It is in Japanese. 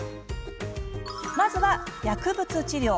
まずは薬物治療。